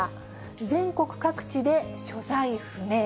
全国各地で所在不明。